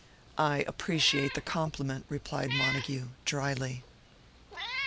"I appreciate the compliment," replied Montague, drily.